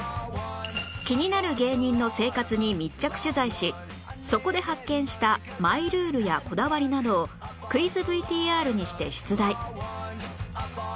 気になる芸人の生活に密着取材しそこで発見したマイルールやこだわりなどをクイズ ＶＴＲ にして出題